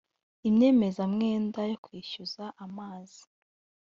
inyemezamwenda yo kwishyuza amazi